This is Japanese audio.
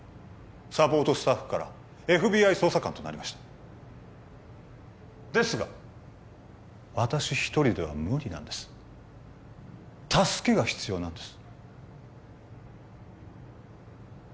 サポートスタッフからＦＢＩ捜査官となりましたですが私一人では無理なんです助けが必要なんです